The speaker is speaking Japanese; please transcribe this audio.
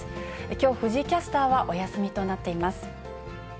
きょう、藤井キャスターはお休みとなっています。